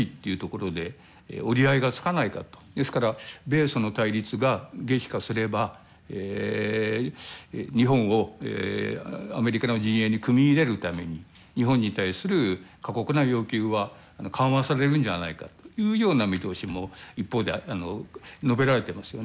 ですから米ソの対立が激化すれば日本をアメリカの陣営に組み入れるために日本に対する過酷な要求は緩和されるんじゃないかというような見通しも一方で述べられていますよね。